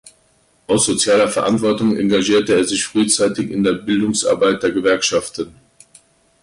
Aus sozialer Verantwortung engagierte er sich frühzeitig in der Bildungsarbeit der Gewerkschaften.